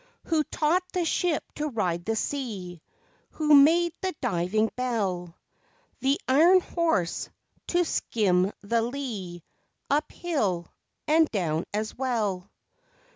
Who taught the ship to ride the sea, Who made the diving bell, The ''iron horse" to skim the lea, Up hill, and down as well?